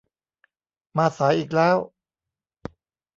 มาสายอีกแล้ว